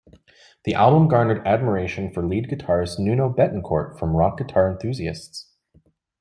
The album garnered admiration for lead guitarist Nuno Bettencourt from rock guitar enthusiasts.